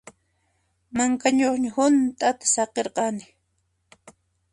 Manka ñuqñu hunt'ata saqirqani.